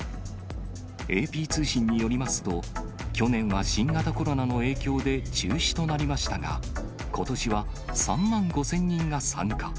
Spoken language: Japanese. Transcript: ＡＰ通信によりますと、去年は新型コロナの影響で中止となりましたが、ことしは３万５０００人が参加。